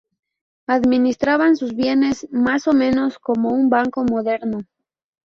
Administraban sus bienes más o menos como un banco moderno.